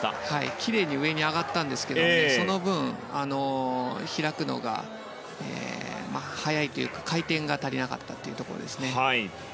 きれいに上に上がったんですがその分、開くのが早いというか回転が足りなかったというところですね。